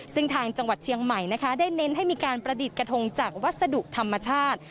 ซึ่งทางจังหวัดเชียงใหม่นะคะได้เน้นให้มีการประดิษฐ์กระทงจากวัสดุธรรมชาติ